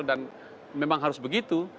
dan memang harus begitu